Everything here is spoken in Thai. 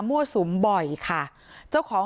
สุมบ่อยค่ะเจ้าของ